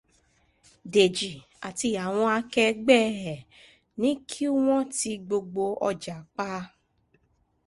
Dèjì àti àwọn akẹgbẹ́ ẹ̀ ní kí wọ́n tí gbogbo ọjà pa.